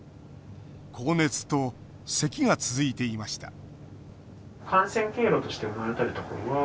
高熱と、せきが続いていました